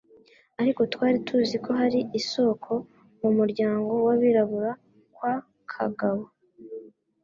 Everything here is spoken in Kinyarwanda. Ariko twari tuzi ko hari isoko mumuryango wabirabura kwa Kagabo